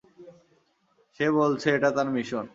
সে বলছে এটা তার মিশন।